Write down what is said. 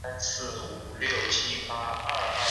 本季球衣继续由彪马穿着的球衣颜色。